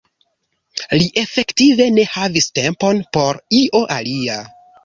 Li efektive ne havis tempon por io alia.